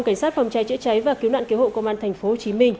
cảnh sát phòng trái chữa cháy và cứu nạn cứu hộ công an thành phố hồ chí minh